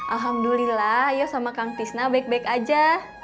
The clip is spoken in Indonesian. alhamdulillah yo sama kang tisna baik baik aja